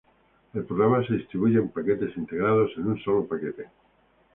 El programa se distribuye en paquetes integrados en un solo paquete.